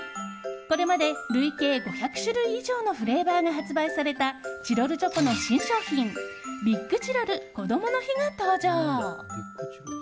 これまで累計５００種類以上のフレーバーが発売されたチロルチョコの新商品ビッグチロルこどもの日が登場。